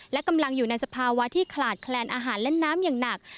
และกำลังอยู่ในสภาวะที่ขลาดแคลนอาหารเล่นน้ำอย่างหนัก